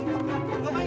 eh apaan ini